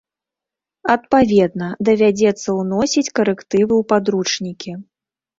Адпаведна, давядзецца ўносіць карэктывы ў падручнікі.